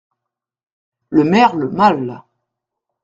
Le merle mâle.